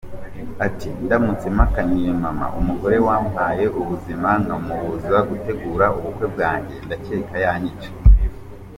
Ati “Ndamutse mpakaniye mama, umugore wampaye ubuzima, nkamubuza gutegura ubukwe bwanjye ndakeka yanyica.